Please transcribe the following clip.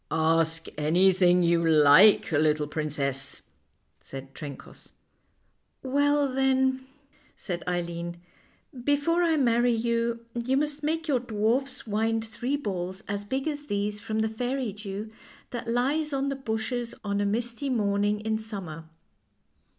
" Ask anything you like, little princess," said Trencoss. " Well, then," said Eileen, " before I marry you, you must make your dwarfs wind three balls THE LITTLE WHITE CAT 129 as big as these from the fairy dew that lies on the bushes on a misty morning in summer."